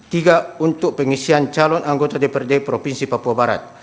tiga untuk pengisian calon anggota dprd provinsi papua barat